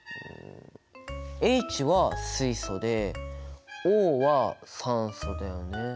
Ｈは水素でＯは酸素だよね。